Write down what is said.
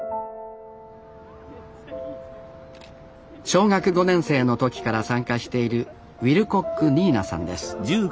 小学５年生の時から参加しているウィルコック・ニーナさんです。